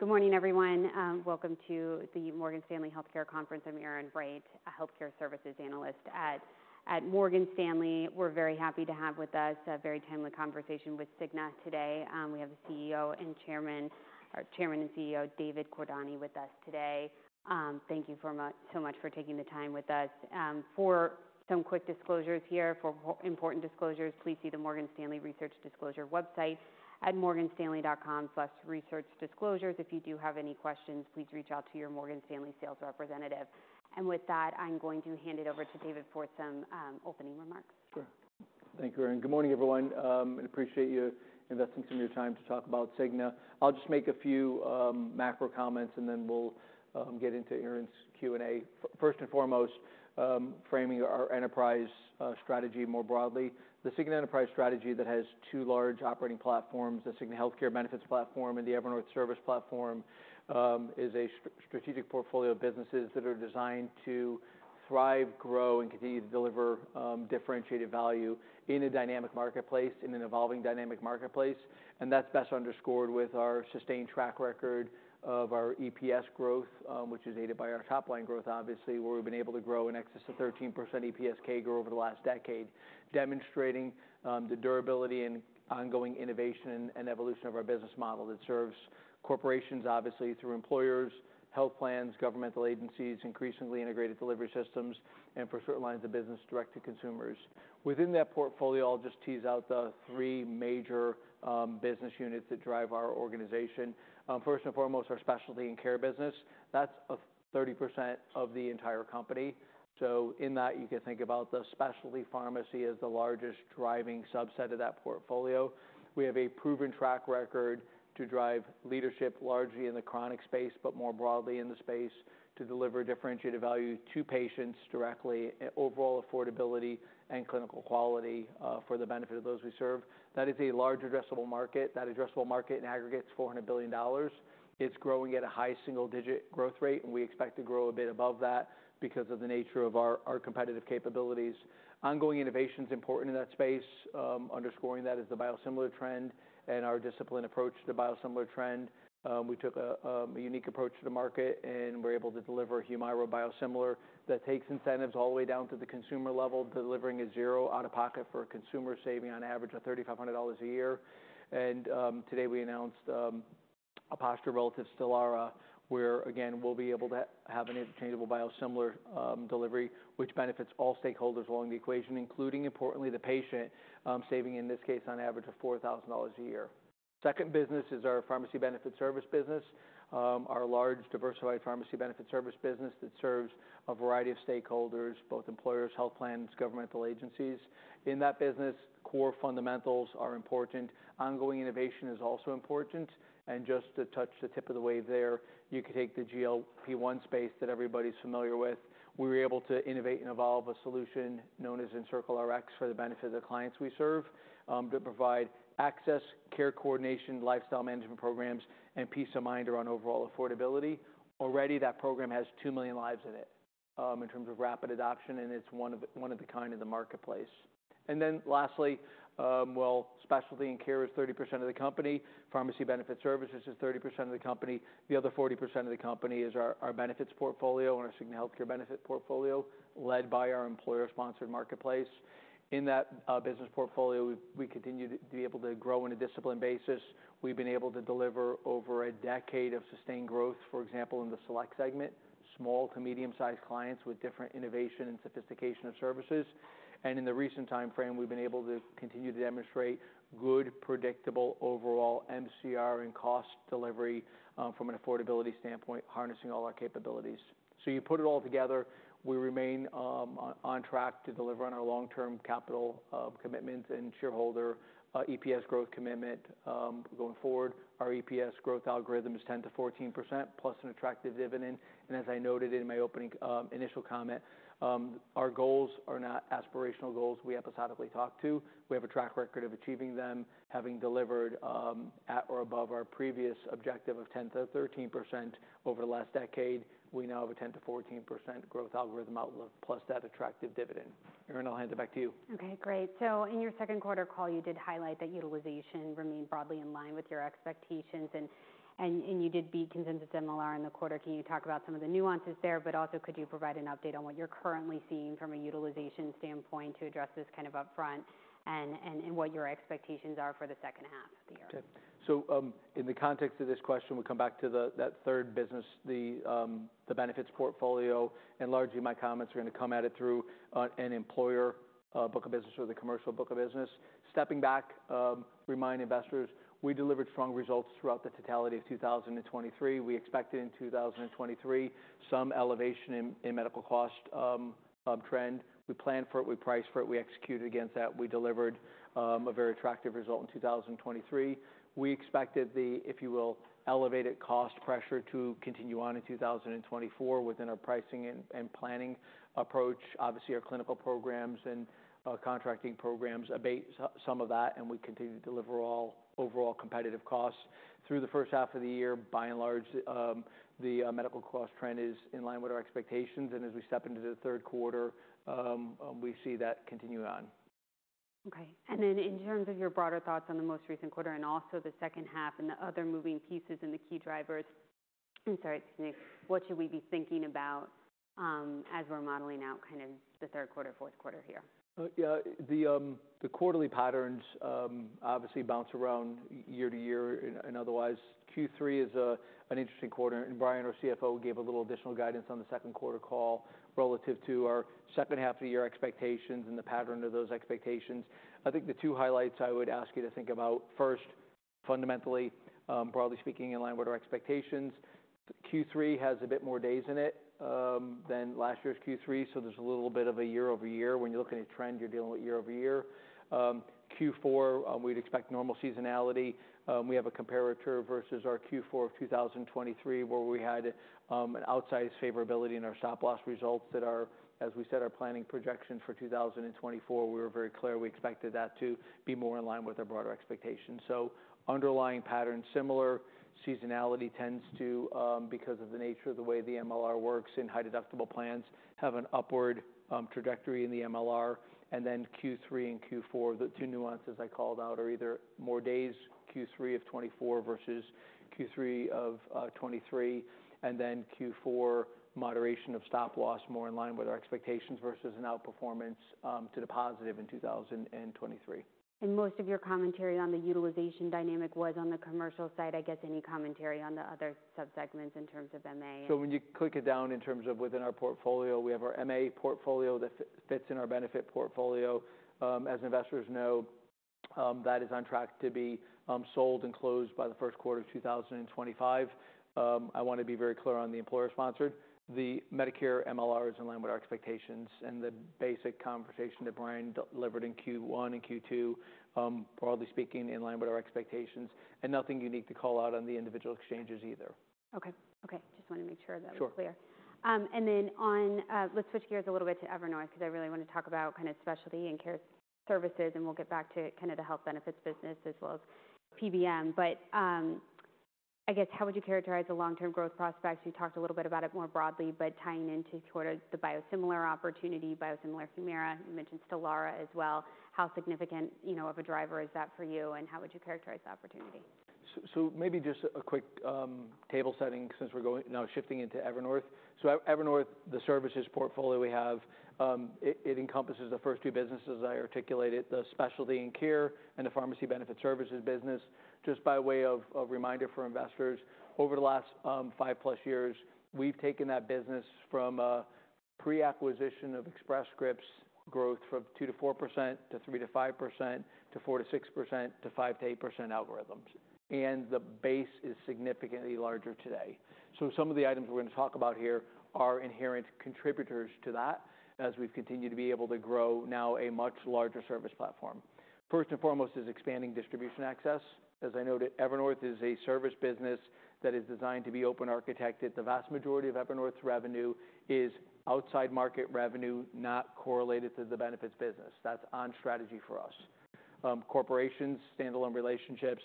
Hi, good morning, everyone. Welcome to the Morgan Stanley Healthcare Conference. I'm Erin Wright, a Healthcare Services Analyst at Morgan Stanley. We're very happy to have with us a very timely conversation with Cigna today. We have the CEO and Chairman, or Chairman and CEO, David Cordani, with us today. Thank you very much, so much for taking the time with us. For some quick disclosures here, for important disclosures, please see the Morgan Stanley Research Disclosure website at morganstanley.com/researchdisclosures. If you do have any questions, please reach out to your Morgan Stanley sales representative. And with that, I'm going to hand it over to David for some opening remarks. Sure. Thank you, Erin. Good morning, everyone. I appreciate you investing some of your time to talk about Cigna. I'll just make a few macro comments, and then we'll get into Erin's Q&A. First and foremost, framing our enterprise strategy more broadly. The Cigna enterprise strategy that has two large operating platforms, the Cigna Healthcare benefits platform and the Evernorth services platform, is a strategic portfolio of businesses that are designed to thrive, grow, and continue to deliver differentiated value in a dynamic marketplace, in an evolving dynamic marketplace. That's best underscored with our sustained track record of our EPS growth, which is aided by our top-line growth, obviously, where we've been able to grow in excess of 13% EPS CAGR over the last decade. Demonstrating, the durability and ongoing innovation and evolution of our business model that serves corporations, obviously, through employers, health plans, governmental agencies, increasingly integrated delivery systems, and for certain lines of business, direct to consumers. Within that portfolio, I'll just tease out the three major, business units that drive our organization. First and foremost, our specialty and care business. That's 30% of the entire company. So in that, you can think about the specialty pharmacy as the largest driving subset of that portfolio. We have a proven track record to drive leadership, largely in the chronic space, but more broadly in the space, to deliver differentiated value to patients directly, overall affordability and clinical quality, for the benefit of those we serve. That is a large addressable market. That addressable market in aggregate is $400 billion. It's growing at a high single-digit growth rate, and we expect to grow a bit above that because of the nature of our competitive capabilities. Ongoing innovation is important in that space. Underscoring that is the biosimilar trend and our disciplined approach to biosimilar trend. We took a unique approach to the market, and we're able to deliver Humira biosimilar that takes incentives all the way down to the consumer level, delivering a zero out-of-pocket for a consumer, saving on average of $3,500 a year. And today we announced a posture relative to Stelara, where, again, we'll be able to have an interchangeable biosimilar delivery, which benefits all stakeholders along the equation, including, importantly, the patient, saving, in this case, on average of $4,000 a year. Second business is our pharmacy benefit service business. Our large, diversified pharmacy benefit service business that serves a variety of stakeholders, both employers, health plans, governmental agencies. In that business, core fundamentals are important. Ongoing innovation is also important, and just to touch the tip of the way there, you could take the GLP-1 space that everybody's familiar with. We were able to innovate and evolve a solution known as EncircleRx for the benefit of the clients we serve to provide access, care coordination, lifestyle management programs, and peace of mind around overall affordability. Already, that program has two million lives in it in terms of rapid adoption, and it's one of a kind in the marketplace. Then lastly, while specialty and care is 30% of the company, pharmacy benefit services is 30% of the company. The other 40% of the company is our benefits portfolio and our Cigna Healthcare benefit portfolio, led by our employer-sponsored marketplace. In that business portfolio, we continue to be able to grow in a disciplined basis. We've been able to deliver over a decade of sustained growth, for example, in the Select Segment, small to medium-sized clients with different innovation and sophistication of services, and in the recent time frame, we've been able to continue to demonstrate good, predictable, overall MCR and cost delivery from an affordability standpoint, harnessing all our capabilities, so you put it all together, we remain on track to deliver on our long-term capital commitments and shareholder EPS growth commitment. Going forward, our EPS growth algorithm is 10%-14%, plus an attractive dividend. And as I noted in my opening, initial comment, our goals are not aspirational goals we episodically talk to. We have a track record of achieving them, having delivered at or above our previous objective of 10%-13% over the last decade. We now have a 10%-14% growth algorithm outlook, plus that attractive dividend. Erin, I'll hand it back to you. Okay, great. So in your second quarter call, you did highlight that utilization remained broadly in line with your expectations, and you did beat consensus MLR in the quarter. Can you talk about some of the nuances there, but also could you provide an update on what you're currently seeing from a utilization standpoint to address this kind of upfront, and what your expectations are for the H2 of the year? Okay. In the context of this question, we'll come back to that third business, the benefits portfolio, and largely my comments are gonna come at it through an employer book of business or the commercial book of business. Stepping back, remind investors, we delivered strong results throughout the totality of 2023. We expected in 2023 some elevation in medical cost trend. We planned for it, we priced for it, we executed against that. We delivered a very attractive result in 2023. We expected the, if you will, elevated cost pressure to continue on in 2024 within our pricing and planning approach. Obviously, our clinical programs and contracting programs abate some of that, and we continue to deliver overall competitive costs. Through the H1 of the year, by and large, the medical cost trend is in line with our expectations, and as we step into the third quarter, we see that continuing on. Okay, and then in terms of your broader thoughts on the most recent quarter and also the second half and the other moving pieces and the key drivers, I'm sorry, what should we be thinking about as we're modeling out kind of the third quarter, fourth quarter here? Yeah, the quarterly patterns obviously bounce around year-to-year and otherwise. Q3 is an interesting quarter, and Brian, our CFO, gave a little additional guidance on the second quarter call relative to our H2 of the year expectations and the pattern of those expectations. I think the two highlights I would ask you to think about, first, fundamentally, broadly speaking, in line with our expectations, Q3 has a bit more days in it than last year's Q3, so there's a little bit of a year-over-year. When you're looking at trend, you're dealing with year-over-year. Q4, we'd expect normal seasonality. We have a comparator versus our Q4 of 2023, where we had an outsized favorability in our stop-loss results that are, as we said, our planning projections for 2024. We were very clear we expected that to be more in line with our broader expectations, so underlying patterns, similar seasonality tends to, because of the nature of the way the MLR works in high deductible plans, have an upward trajectory in the MLR. Then Q3 and Q4, the two nuances I called out, are either more days, Q3 of 2024 versus Q3 of 2023, and then Q4, moderation of stop loss, more in line with our expectations versus an outperformance to the positive in 2023. And most of your commentary on the utilization dynamic was on the commercial side. I guess any commentary on the other subsegments in terms of MA? So when you click it down in terms of within our portfolio, we have our MA portfolio that fits in our benefit portfolio. As investors know, that is on track to be sold and closed by the first quarter of 2025. I want to be very clear on the employer-sponsored. The Medicare MLR is in line with our expectations and the basic conversation that Brian delivered in Q1 and Q2, broadly speaking, in line with our expectations, and nothing unique to call out on the individual exchanges either. Okay. Okay, just wanted to make sure that was clear. Sure. Let's switch gears a little bit to Evernorth, because I really want to talk about kind of specialty and care services, and we'll get back to kind of the health benefits business as well as PBM. But, I guess, how would you characterize the long-term growth prospects? You talked a little bit about it more broadly, but tying into sort of the biosimilar opportunity, biosimilar Humira, you mentioned Stelara as well. How significant, you know, of a driver is that for you, and how would you characterize the opportunity? So maybe just a quick table setting, since we're now shifting into Evernorth. Evernorth, the services portfolio we have, it encompasses the first two businesses I articulated, the specialty and care and the pharmacy benefit services business. Just by way of reminder for investors, over the last five-plus years, we've taken that business from a pre-acquisition of Express Scripts growth from 2%-4%, to 3%-5%, to 4%-6%, to 5%-8% algorithms. And the base is significantly larger today. So some of the items we're gonna talk about here are inherent contributors to that, as we've continued to be able to grow now a much larger service platform. First and foremost is expanding distribution access. As I noted, Evernorth is a service business that is designed to be open architected. The vast majority of Evernorth's revenue is outside market revenue, not correlated to the benefits business. That's on strategy for us. Corporations, standalone relationships,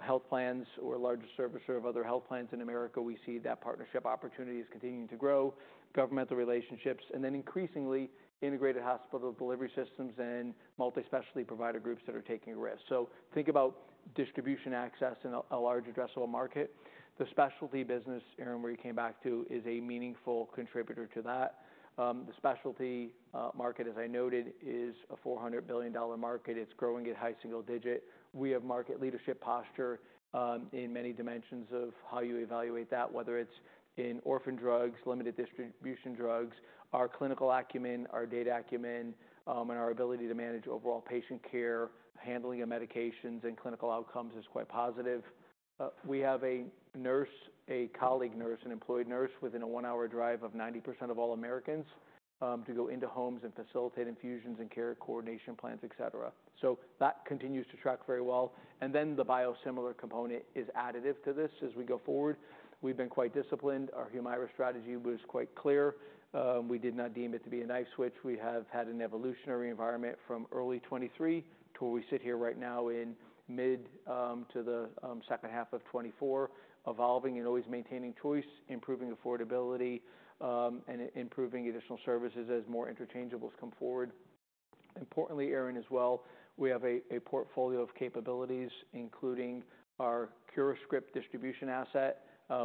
health plans. We're a larger servicer of other health plans in America. We see that partnership opportunity is continuing to grow, governmental relationships, and then increasingly integrated hospital delivery systems and multi-specialty provider groups that are taking risks, so think about distribution access in a large addressable market. The specialty business, Erin, where you came back to, is a meaningful contributor to that. The specialty market, as I noted, is a $400 billion market. It's growing at high single digit. We have market leadership posture in many dimensions of how you evaluate that, whether it's in orphan drugs, limited distribution drugs, our clinical acumen, our data acumen, and our ability to manage overall patient care, handling of medications, and clinical outcomes is quite positive. We have a nurse, a colleague nurse, an employed nurse within a one-hour drive of 90% of all Americans to go into homes and facilitate infusions and care coordination plans, et cetera. So that continues to track very well. And then the biosimilar component is additive to this as we go forward. We've been quite disciplined. Our Humira strategy was quite clear. We did not deem it to be a knife switch. We have had an evolutionary environment from early 2023 to where we sit here right now in mid- to the H2 of 2024, evolving and always maintaining choice, improving affordability, and improving additional services as more interchangeables come forward. Importantly, Erin, as well, we have a portfolio of capabilities, including our CuraScript distribution asset,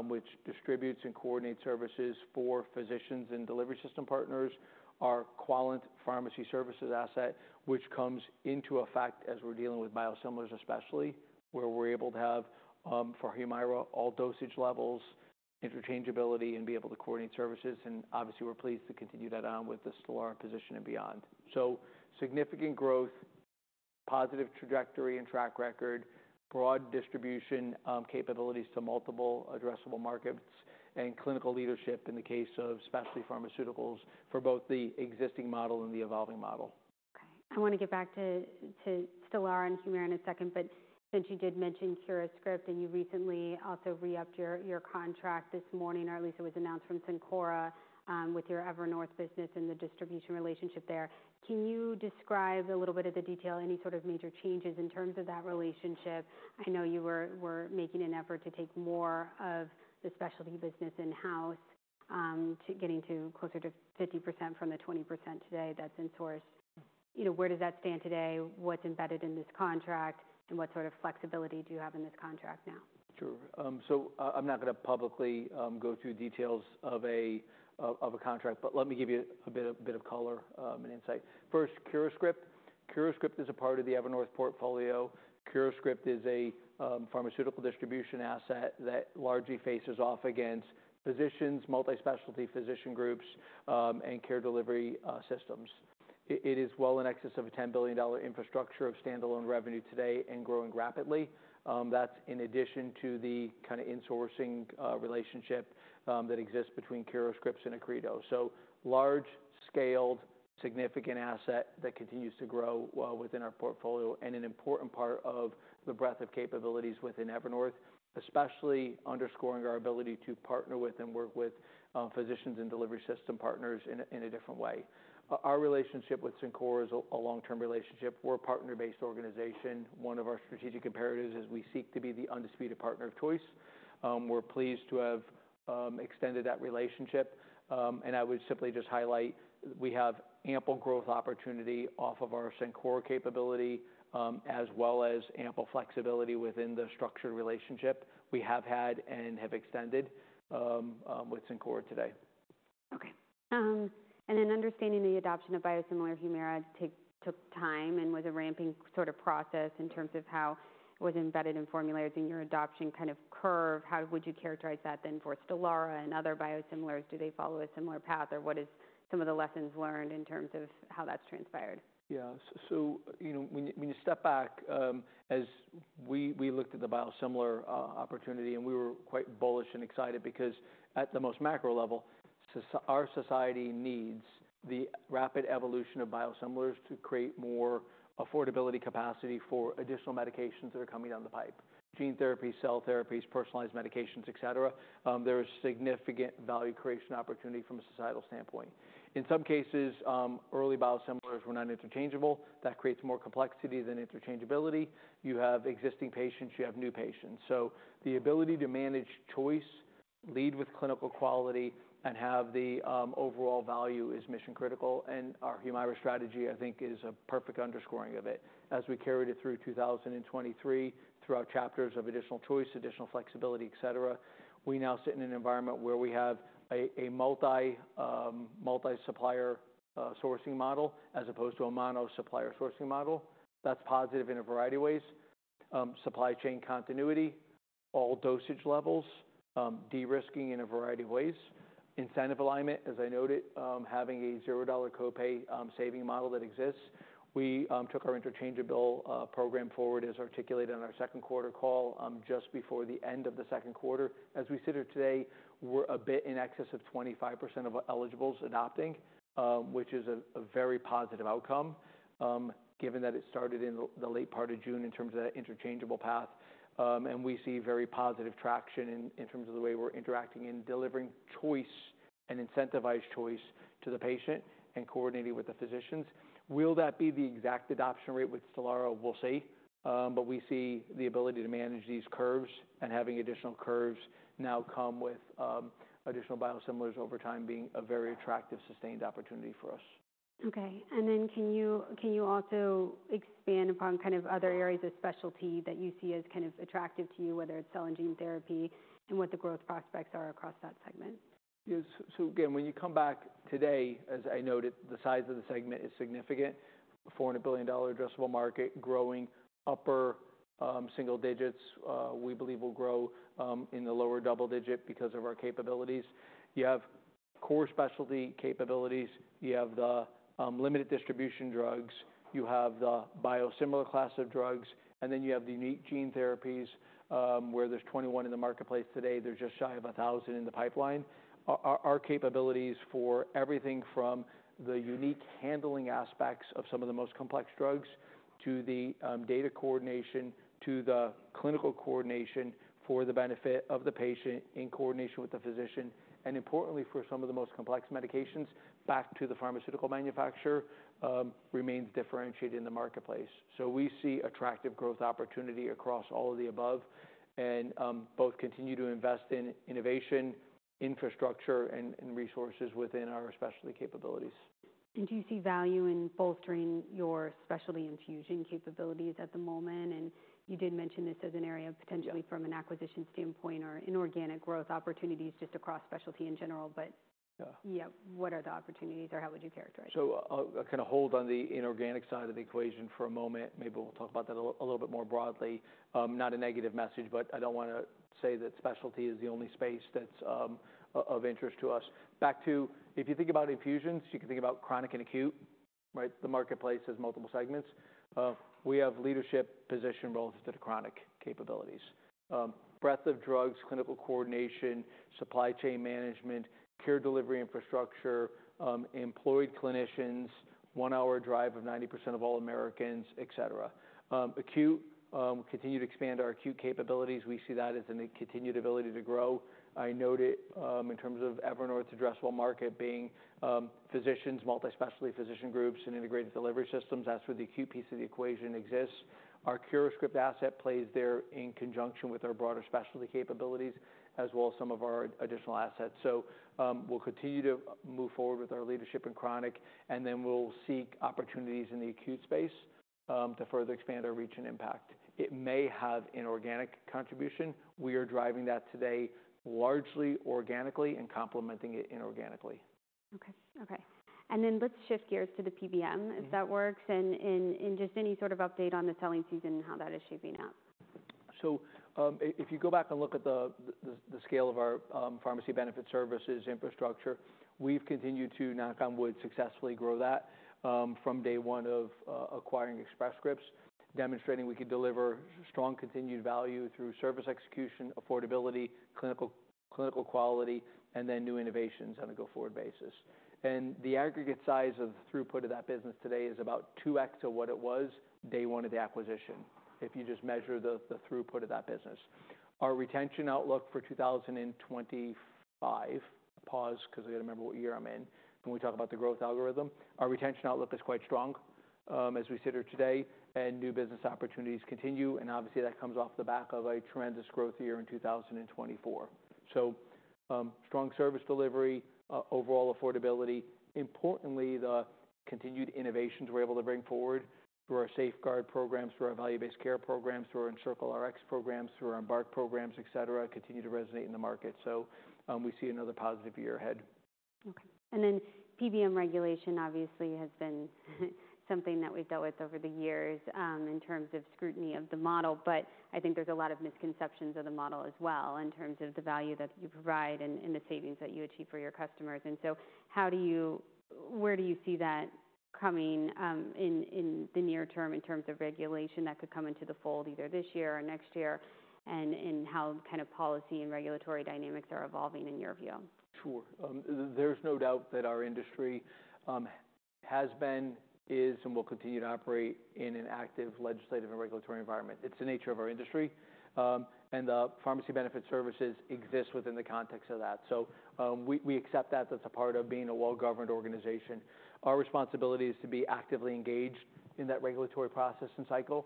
which distributes and coordinates services for physicians and delivery system partners. Our Quallent pharmacy services asset, which comes into effect as we're dealing with biosimilars, especially, where we're able to have for Humira, all dosage levels, interchangeability, and be able to coordinate services. Obviously, we're pleased to continue that on with the Stelara position and beyond. So significant growth, positive trajectory and track record, broad distribution, capabilities to multiple addressable markets, and clinical leadership in the case of specialty pharmaceuticals for both the existing model and the evolving model. Okay, I wanna get back to Stelara and Humira in a second, but since you did mention CuraScript, and you recently also re-upped your contract this morning, or at least it was announced from Cencora, with your Evernorth business and the distribution relationship there. Can you describe a little bit of the detail, any sort of major changes in terms of that relationship? I know you were making an effort to take more of the specialty business in-house to getting closer to 50% from the 20% today that's insourced. You know, where does that stand today? What's embedded in this contract, and what sort of flexibility do you have in this contract now? Sure. So, I'm not gonna publicly go through details of a contract, but let me give you a bit of color and insight. First, CuraScript. CuraScript is a part of the Evernorth portfolio. CuraScript is a pharmaceutical distribution asset that largely faces off against physicians, multi-specialty physician groups, and care delivery systems. It is well in excess of a $10 billion infrastructure of standalone revenue today and growing rapidly. That's in addition to the kinda insourcing relationship that exists between CuraScript and Accredo. So large-scale, significant asset that continues to grow well within our portfolio and an important part of the breadth of capabilities within Evernorth, especially underscoring our ability to partner with and work with physicians and delivery system partners in a different way. Our relationship with Cencora is a long-term relationship. We're a partner-based organization. One of our strategic imperatives is we seek to be the undisputed partner of choice. We're pleased to have extended that relationship, and I would simply just highlight we have ample growth opportunity off of our Cencora capability, as well as ample flexibility within the structured relationship we have had and have extended, with Cencora today. Okay. And then understanding the adoption of biosimilar Humira took time and was a ramping sort of process in terms of how it was embedded in formularies in your adoption kind of curve. How would you characterize that then for Stelara and other biosimilars? Do they follow a similar path, or what is some of the lessons learned in terms of how that's transpired? Yeah. So, you know, when you step back, as we looked at the biosimilar opportunity, and we were quite bullish and excited because at the most macro level, our society needs the rapid evolution of biosimilars to create more affordability capacity for additional medications that are coming down the pipe: gene therapy, cell therapies, personalized medications, et cetera. There's significant value creation opportunity from a societal standpoint. In some cases, early biosimilars were not interchangeable. That creates more complexity than interchangeability. You have existing patients. You have new patients. So the ability to manage choice, lead with clinical quality, and have the overall value is mission critical, and our Humira strategy, I think, is a perfect underscoring of it. As we carried it through 2023, throughout chapters of additional choice, additional flexibility, et cetera, we now sit in an environment where we have a multi-supplier sourcing model, as opposed to a mono-supplier sourcing model. That's positive in a variety of ways. Supply chain continuity, all dosage levels, de-risking in a variety of ways. Incentive alignment, as I noted, having a $0 copay, saving model that exists. We took our interchangeable program forward, as articulated on our second quarter call, just before the end of the second quarter. As we sit here today, we're a bit in excess of 25% of eligibles adopting, which is a very positive outcome, given that it started in the late part of June in terms of that interchangeable path. And we see very positive traction in terms of the way we're interacting and delivering choice and incentivized choice to the patient and coordinating with the physicians. Will that be the exact adoption rate with Stelara? We'll see. But we see the ability to manage these curves, and having additional curves now come with additional biosimilars over time being a very attractive, sustained opportunity for us. Okay, and then can you, can you also expand upon kind of other areas of specialty that you see as kind of attractive to you, whether it's cell and gene therapy, and what the growth prospects are across that segment? Yes. So again, when you come back today, as I noted, the size of the segment is significant. $400 billion addressable market, growing upper single digits, we believe will grow in the lower double digit because of our capabilities. You have core specialty capabilities, you have the limited distribution drugs, you have the biosimilar class of drugs, and then you have the unique gene therapies, where there's 21 in the marketplace today, there's just shy of a thousand in the pipeline. Our capabilities for everything from the unique handling aspects of some of the most complex drugs to the data coordination, to the clinical coordination for the benefit of the patient in coordination with the physician, and importantly, for some of the most complex medications, back to the pharmaceutical manufacturer, remains differentiated in the marketplace. So we see attractive growth opportunity across all of the above and both continue to invest in innovation, infrastructure, and resources within our specialty capabilities. And do you see value in bolstering your specialty infusion capabilities at the moment? And you did mention this as an area potentially- Yeah -from an acquisition standpoint or inorganic growth opportunities just across specialty in general, but- Yeah. -yeah. What are the opportunities, or how would you characterize it? So I'll kinda hold on the inorganic side of the equation for a moment. Maybe we'll talk about that a little bit more broadly. Not a negative message, but I don't wanna say that specialty is the only space that's of interest to us. Back to. If you think about infusions, you can think about chronic and acute, right? The marketplace has multiple segments. We have leadership position relative to the chronic capabilities. Breadth of drugs, clinical coordination, supply chain management, care delivery infrastructure, employed clinicians, one hour drive of 90% of all Americans, et cetera. Acute, we continue to expand our acute capabilities. We see that as a continued ability to grow. I noted, in terms of Evernorth's addressable market being, physicians, multi-specialty physician groups, and integrated delivery systems, that's where the acute piece of the equation exists. Our CuraScript asset plays there in conjunction with our broader specialty capabilities, as well as some of our additional assets. So, we'll continue to move forward with our leadership in chronic, and then we'll seek opportunities in the acute space to further expand our reach and impact. It may have inorganic contribution. We are driving that today largely organically and complementing it inorganically. Okay, okay. And then let's shift gears to the PBM, if that works, and just any sort of update on the selling season and how that is shaping up. So, if you go back and look at the scale of our pharmacy benefit services infrastructure, we've continued to, knock on wood, successfully grow that from day one of acquiring Express Scripts, demonstrating we could deliver strong, continued value through service execution, affordability, clinical quality, and then new innovations on a go-forward basis. And the aggregate size of throughput of that business today is about 2x of what it was day one of the acquisition, if you just measure the throughput of that business. Our retention outlook for 2025, pause, because I got to remember what year I'm in when we talk about the growth algorithm. Our retention outlook is quite strong, as we sit here today, and new business opportunities continue, and obviously, that comes off the back of a tremendous growth year in 2024. So, strong service delivery, overall affordability. Importantly, the continued innovations we're able to bring forward through our SafeGuardRx programs, through our value-based care programs, through our EncircleRx programs, through our Embark programs, et cetera, continue to resonate in the market. So, we see another positive year ahead. Okay, and then PBM regulation obviously has been something that we've dealt with over the years, in terms of scrutiny of the model, but I think there's a lot of misconceptions of the model as well, in terms of the value that you provide and the savings that you achieve for your customers. And so where do you see that coming, in the near term, in terms of regulation that could come into the fold either this year or next year, and how kind of policy and regulatory dynamics are evolving in your view? Sure. There's no doubt that our industry has been, is, and will continue to operate in an active legislative and regulatory environment. It's the nature of our industry, and the pharmacy benefit services exist within the context of that. So, we accept that. That's a part of being a well-governed organization. Our responsibility is to be actively engaged in that regulatory process and cycle,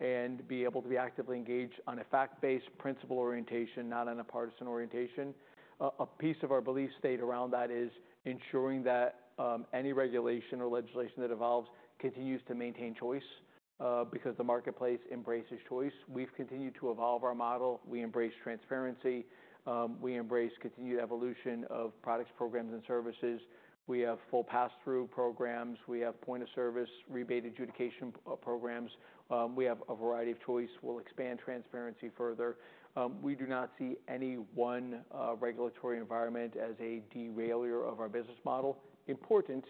and be able to be actively engaged on a fact-based principle orientation, not on a partisan orientation. A piece of our belief state around that is ensuring that any regulation or legislation that evolves continues to maintain choice, because the marketplace embraces choice. We've continued to evolve our model. We embrace transparency. We embrace continued evolution of products, programs, and services. We have full pass-through programs. We have point-of-service rebate adjudication programs. We have a variety of choice. We'll expand transparency further. We do not see any one, regulatory environment as a derailer of our business model. Important,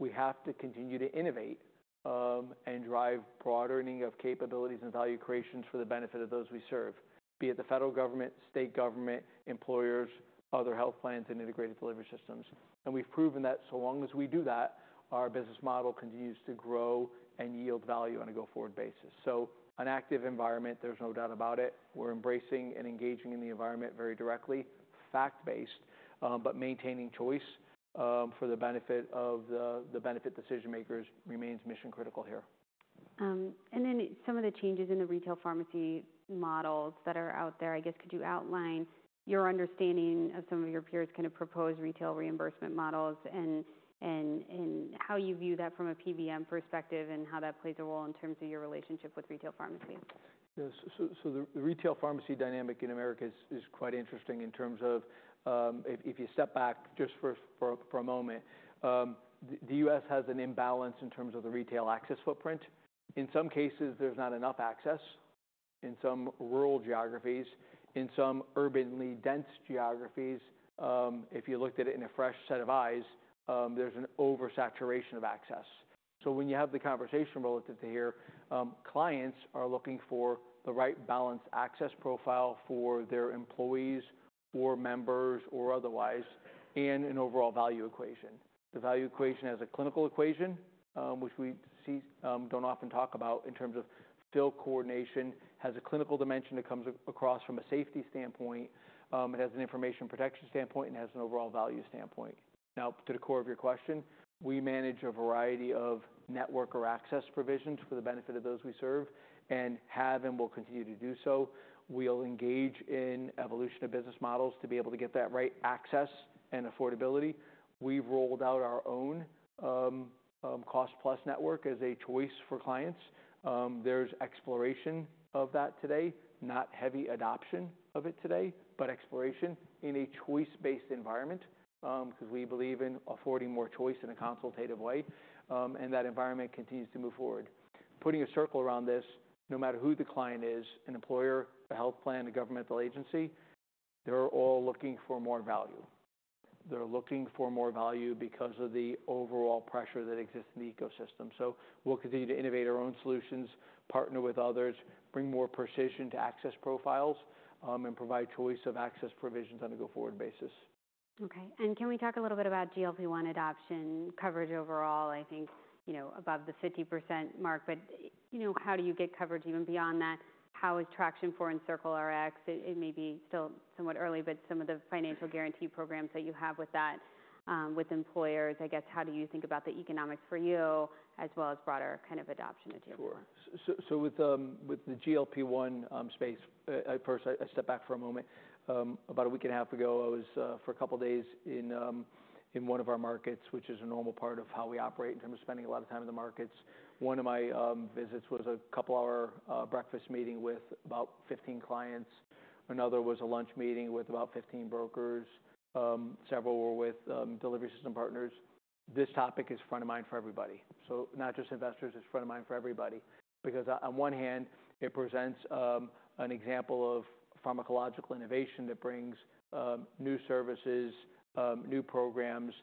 we have to continue to innovate, and drive broadening of capabilities and value creations for the benefit of those we serve, be it the federal government, state government, employers, other health plans, and integrated delivery systems, and we've proven that so long as we do that, our business model continues to grow and yield value on a go-forward basis, so an active environment, there's no doubt about it. We're embracing and engaging in the environment very directly, fact-based, but maintaining choice, for the benefit of the benefit decision makers remains mission critical here. And then some of the changes in the retail pharmacy models that are out there, I guess, could you outline your understanding of some of your peers' kind of proposed retail reimbursement models and how you view that from a PBM perspective, and how that plays a role in terms of your relationship with retail pharmacies? Yes. So the retail pharmacy dynamic in America is quite interesting in terms of, if you step back just for a moment, the US has an imbalance in terms of the retail access footprint. In some cases, there's not enough access, in some rural geographies, in some urbanly dense geographies, if you looked at it in a fresh set of eyes, there's an oversaturation of access. So when you have the conversation relative to here, clients are looking for the right balanced access profile for their employees or members or otherwise, and an overall value equation. The value equation has a clinical equation, which we see, don't often talk about in terms of fill coordination, has a clinical dimension that comes across from a safety standpoint, it has an information protection standpoint, and has an overall value standpoint. Now, to the core of your question, we manage a variety of network or access provisions for the benefit of those we serve and have and will continue to do so. We'll engage in evolution of business models to be able to get that right access and affordability. We've rolled out our own cost-plus network as a choice for clients. There's exploration of that today, not heavy adoption of it today, but exploration in a choice-based environment, because we believe in affording more choice in a consultative way, and that environment continues to move forward. Putting a circle around this, no matter who the client is, an employer, a health plan, a governmental agency, they're all looking for more value. They're looking for more value because of the overall pressure that exists in the ecosystem. So we'll continue to innovate our own solutions, partner with others, bring more precision to access profiles, and provide choice of access provisions on a go-forward basis. Okay, and can we talk a little bit about GLP-1 adoption coverage overall? I think, you know, above the 50% mark, but, you know, how do you get coverage even beyond that? How is traction for EncircleRx? It may be still somewhat early, but some of the financial guarantee programs that you have with that, with employers, I guess, how do you think about the economics for you, as well as broader kind of adoption of GLP-1? So with the GLP-1 space, first I step back for a moment. About a week and a half ago, I was for a couple of days in one of our markets, which is a normal part of how we operate, in terms of spending a lot of time in the markets. One of my visits was a couple hour breakfast meeting with about 15 clients. Another was a lunch meeting with about 15 brokers. Several were with delivery system partners. This topic is front of mind for everybody. So not just investors, it's front of mind for everybody. Because on one hand, it presents an example of pharmacological innovation that brings new services, new programs,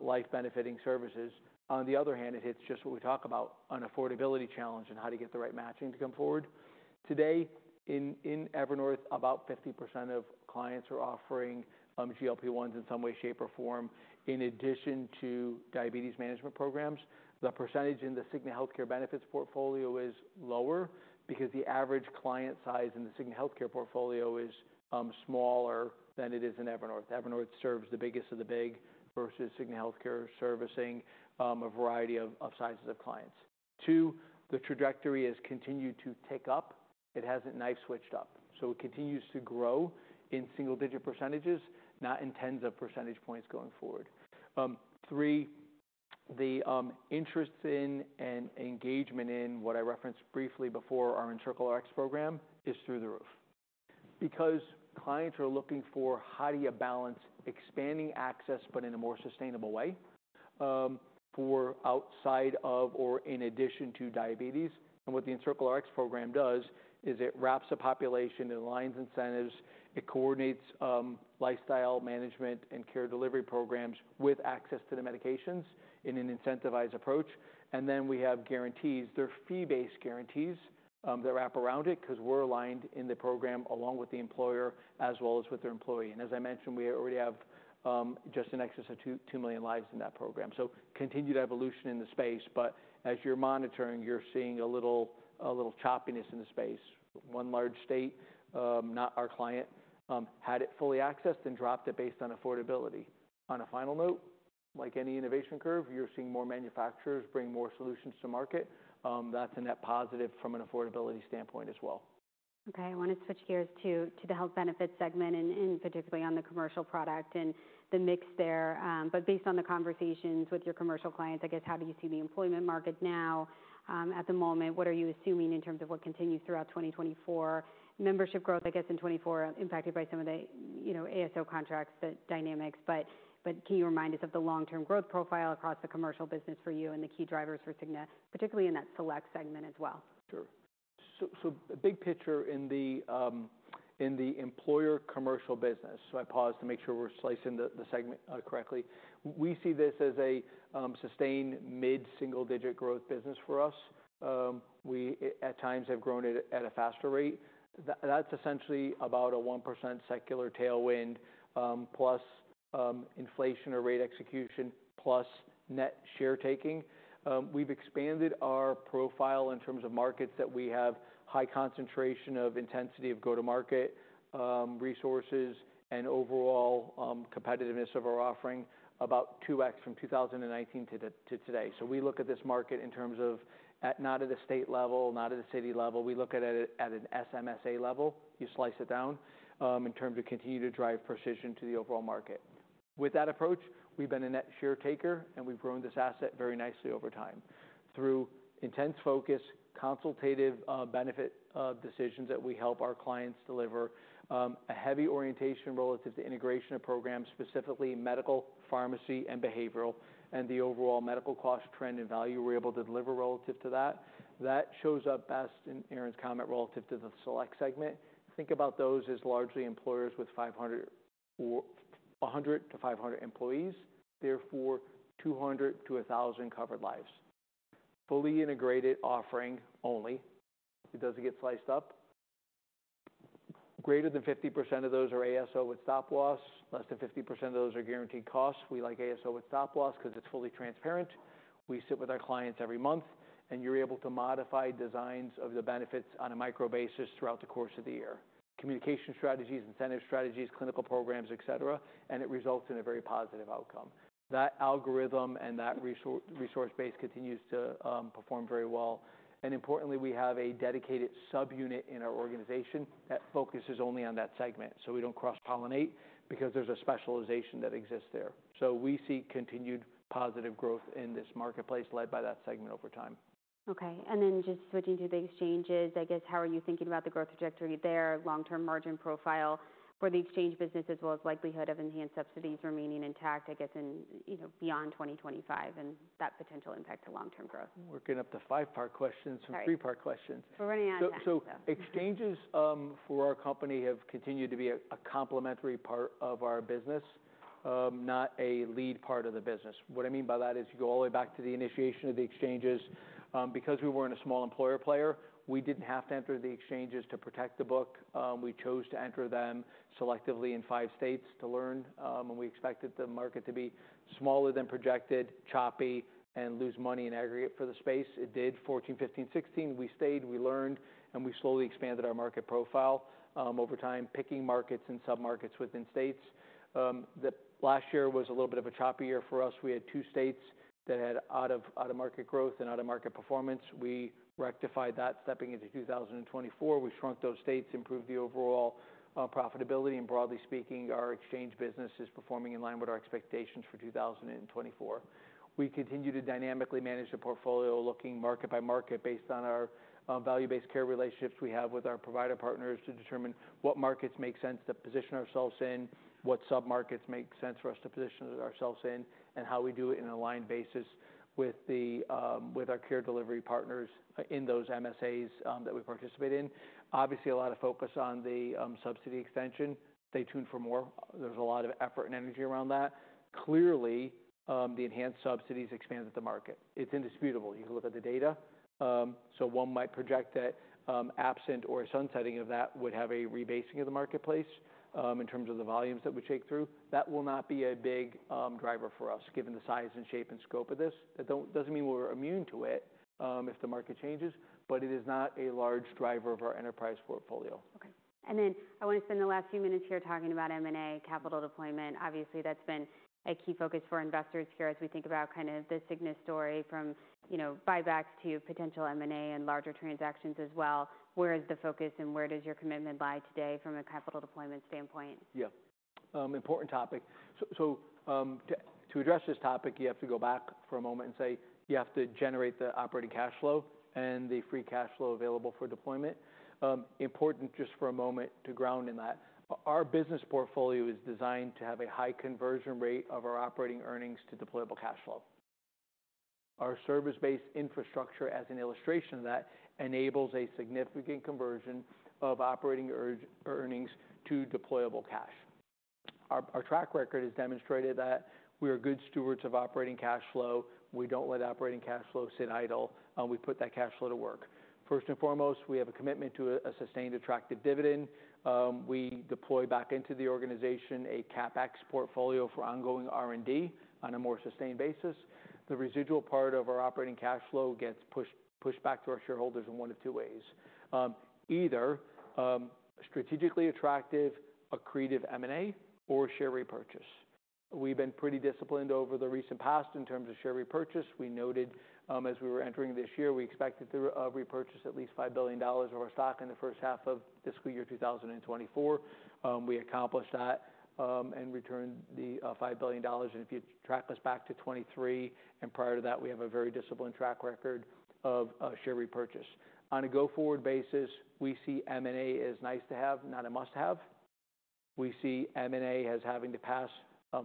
life benefiting services. On the other hand, it hits just what we talk about, an affordability challenge and how to get the right matching to come forward. Today, in Evernorth, about 50% of clients are offering GLP-1s in some way, shape, or form, in addition to diabetes management programs. The percentage in the Cigna Healthcare benefits portfolio is lower because the average client size in the Cigna Healthcare portfolio is smaller than it is in Evernorth. Evernorth serves the biggest of the big, versus Cigna Healthcare servicing a variety of sizes of clients. Two, the trajectory has continued to tick up. It hasn't knife-switched up, so it continues to grow in single-digit percentages, not in tens of percentage points going forward. Three, the interest in and engagement in what I referenced briefly before, our EncircleRx program, is through the roof. Because clients are looking for how do you balance expanding access, but in a more sustainable way, for outside of or in addition to diabetes. And what the EncircleRx program does is it wraps a population, it aligns incentives, it coordinates lifestyle management and care delivery programs with access to the medications in an incentivized approach. And then we have guarantees. They're fee-based guarantees that wrap around it, 'cause we're aligned in the program along with the employer, as well as with their employee. And as I mentioned, we already have just in excess of 2.2 million lives in that program. So continued evolution in the space, but as you're monitoring, you're seeing a little choppiness in the space. One large state, not our client, had it fully accessed, then dropped it based on affordability. On a final note, like any innovation curve, you're seeing more manufacturers bring more solutions to market. That's a net positive from an affordability standpoint as well. Okay, I wanna switch gears to the health benefits segment, and particularly on the commercial product and the mix there. But based on the conversations with your commercial clients, I guess, how do you see the employment market now, at the moment? What are you assuming in terms of what continues throughout 2024? Membership growth, I guess, in 2024, impacted by some of the, you know, ASO contracts, the dynamics. But can you remind us of the long-term growth profile across the commercial business for you and the key drivers for Cigna, particularly in that select segment as well? Sure. So big picture in the employer commercial business, so I pause to make sure we're slicing the segment correctly. We see this as a sustained mid-single-digit growth business for us. We at times have grown at a faster rate. That's essentially about a 1% secular tailwind, plus inflation or rate execution, plus net share taking. We've expanded our profile in terms of markets that we have high concentration of intensity of go-to-market resources and overall competitiveness of our offering, about 2x from 2019 to today. So we look at this market in terms of not at a state level, not at a city level. We look at it at an SMSA level. You slice it down, in terms of continue to drive precision to the overall market. With that approach, we've been a net share taker, and we've grown this asset very nicely over time. Through intense focus, consultative, benefit, decisions that we help our clients deliver, a heavy orientation relative to integration of programs, specifically medical, pharmacy, and behavioral, and the overall medical cost trend and value we're able to deliver relative to that. That shows up best in Erin's comment, relative to the Select Segment. Think about those as largely employers with 500 or 100-500 employees, therefore, 200-1,000 covered lives. Fully integrated offering only. It doesn't get sliced up. Greater than 50% of those are ASO with stop loss, less than 50% of those are guaranteed costs. We like ASO with stop loss 'cause it's fully transparent. We sit with our clients every month, and you're able to modify designs of the benefits on a micro basis throughout the course of the year. Communication strategies, incentive strategies, clinical programs, et cetera, and it results in a very positive outcome. That algorithm and that resource base continues to perform very well. And importantly, we have a dedicated subunit in our organization that focuses only on that segment, so we don't cross-pollinate because there's a specialization that exists there. So we see continued positive growth in this marketplace, led by that segment over time. Okay, and then just switching to the exchanges, I guess, how are you thinking about the growth trajectory there, long-term margin profile for the exchange business, as well as likelihood of enhanced subsidies remaining intact, I guess, in, you know, beyond 2025, and that potential impact to long-term growth? Working up to five-part questions- Sorry. -from three-part questions. We're running out of time, so. Exchanges for our company have continued to be a complementary part of our business, not a lead part of the business. What I mean by that is, you go all the way back to the initiation of the exchanges. Because we weren't a small employer player, we didn't have to enter the exchanges to protect the book. We chose to enter them selectively in five states to learn, and we expected the market to be smaller than projected, choppy, and lose money in aggregate for the space. It did, 2014, 2015, 2016. We stayed, we learned, and we slowly expanded our market profile over time, picking markets and submarkets within states. The last year was a little bit of a choppy year for us. We had two states that had out-of-market growth and out-of-market performance. We rectified that, stepping into two thousand and twenty-four. We shrunk those states, improved the overall profitability, and broadly speaking, our exchange business is performing in line with our expectations for 2024. We continue to dynamically manage the portfolio, looking market by market, based on our value-based care relationships we have with our provider partners, to determine what markets make sense to position ourselves in, what submarkets make sense for us to position ourselves in, and how we do it in an aligned basis with our care delivery partners in those MSAs that we participate in. Obviously, a lot of focus on the subsidy extension. Stay tuned for more. There's a lot of effort and energy around that. Clearly, the enhanced subsidies expanded the market. It's indisputable. You can look at the data. So one might project that, absent or sunsetting of that would have a rebasing of the marketplace, in terms of the volumes that we take through. That will not be a big, driver for us, given the size and shape and scope of this. That doesn't mean we're immune to it, if the market changes, but it is not a large driver of our enterprise portfolio. Okay, and then I want to spend the last few minutes here talking about M&A, capital deployment. Obviously, that's been a key focus for investors here as we think about kind of the Cigna story from, you know, buybacks to potential M&A and larger transactions as well. Where is the focus, and where does your commitment lie today from a capital deployment standpoint? Yeah. Important topic. So, to address this topic, you have to go back for a moment and say you have to generate the operating cash flow and the free cash flow available for deployment. Important just for a moment to ground in that. Our business portfolio is designed to have a high conversion rate of our operating earnings to deployable cash flow. Our service-based infrastructure, as an illustration of that, enables a significant conversion of operating earnings to deployable cash. Our track record has demonstrated that we are good stewards of operating cash flow. We don't let operating cash flow sit idle, and we put that cash flow to work. First and foremost, we have a commitment to a sustained, attractive dividend. We deploy back into the organization a CapEx portfolio for ongoing R&D on a more sustained basis. The residual part of our operating cash flow gets pushed back to our shareholders in one of two ways, either strategically attractive, accretive M&A or share repurchase. We've been pretty disciplined over the recent past in terms of share repurchase. We noted, as we were entering this year, we expected to repurchase at least $5 billion of our stock in the first half of fiscal year 2024. We accomplished that, and returned the $5 billion. If you track us back to 2023 and prior to that, we have a very disciplined track record of share repurchase. On a go-forward basis, we see M&A as nice to have, not a must-have. We see M&A as having to pass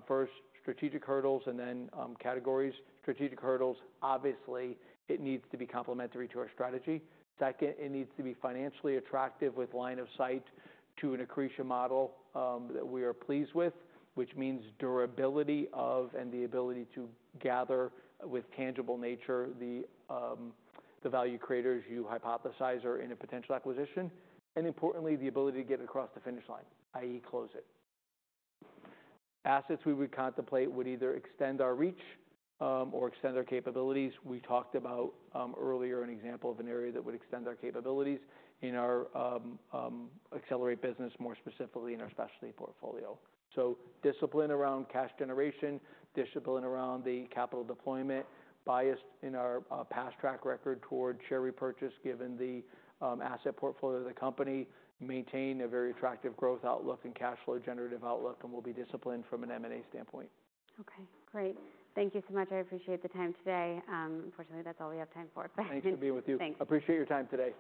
first strategic hurdles and then categories. Strategic hurdles, obviously, it needs to be complementary to our strategy. Second, it needs to be financially attractive with line of sight to an accretion model, that we are pleased with, which means durability of and the ability to gather with tangible nature, the value creators you hypothesize are in a potential acquisition, and importantly, the ability to get it across the finish line, i.e., close it. Assets we would contemplate would either extend our reach, or extend our capabilities. We talked about, earlier, an example of an area that would extend our capabilities in our Accredo business, more specifically in our specialty portfolio. So discipline around cash generation, discipline around the capital deployment, biased in our past track record toward share repurchase, given the asset portfolio of the company, maintain a very attractive growth outlook and cash flow generative outlook, and we'll be disciplined from an M&A standpoint. Okay, great. Thank you so much. I appreciate the time today. Unfortunately, that's all we have time for. Thanks for being with you. Thanks. Appreciate your time today.